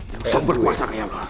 yang sok berkuasa kaya lo